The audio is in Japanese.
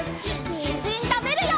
にんじんたべるよ！